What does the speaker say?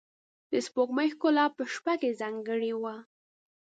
د سپوږمۍ ښکلا په شپه کې ځانګړې وه.